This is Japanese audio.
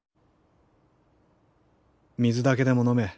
水だけでも飲め。